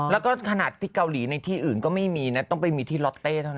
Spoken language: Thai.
แล้วก็ขนาดที่เกาหลีในที่อื่นก็ไม่มีนะต้องไปมีที่ล็อตเต้เท่านั้น